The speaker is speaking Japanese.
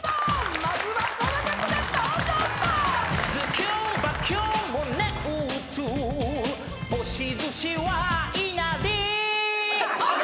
まずはこの曲で登場だ。ＯＫ。